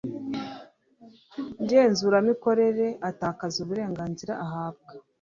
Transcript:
ngenzuramikorere atakaza uburenganzira ahabwa